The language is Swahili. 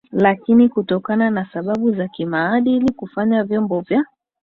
lakini kutokana na sababu za kimaadili kufanya vyombo vya